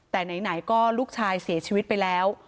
แต่ไหนก็ลูกชายเสียชีวิตไปแล้ว